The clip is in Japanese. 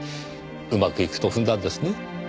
うまくいくと踏んだんですね。